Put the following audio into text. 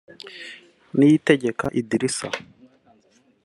Niyitegeka idrissa